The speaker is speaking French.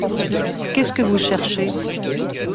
Qu’est-ce que vous cherchez ?